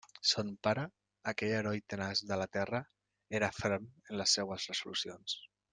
Son pare, aquell heroi tenaç de la terra, era ferm en les seues resolucions.